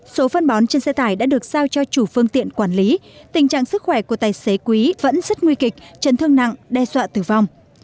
số phân bón trên xe tải đã được giao cho chủ phương tiện quản lý tình trạng sức khỏe của tài xế quý vẫn rất nguy kịch chấn thương nặng đe dọa tử vong